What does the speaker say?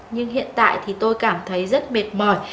nhưng hiện tại thì tôi cảm thấy rất mệt mỏi